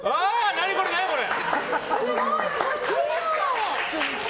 何これ何これ！